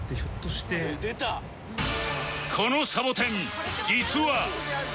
このサボテン実は